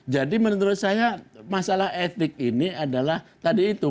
menurut saya masalah etik ini adalah tadi itu